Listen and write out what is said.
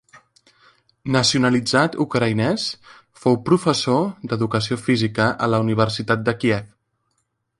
Nacionalitzat ucraïnès, fou professor d'educació física a la Universitat de Kíev.